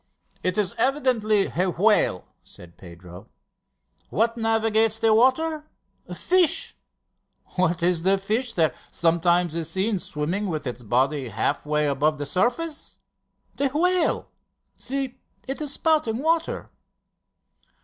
"It is evidently a whale," said Pedro. "What navigates the water? Fish. What is the fish that sometimes is seen swimming with its body half way above the surface? The whale. See, it is spouting water!"